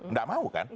nggak mau kan